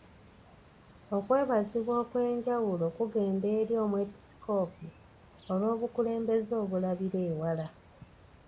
Okwebazibwa okw'enjawulo kwagenda eri Omwepiskoopi olw'obukulembeze obulabira ewala.